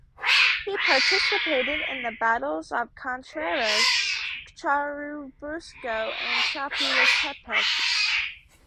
He participated in the battles of Contreras, Churubusco, and Chapultepec.